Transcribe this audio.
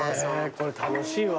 これ楽しいわ。